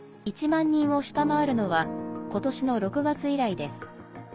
１万人を下回るのは今年の６月以来です。